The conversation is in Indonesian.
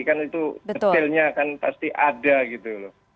kan itu detailnya kan pasti ada gitu loh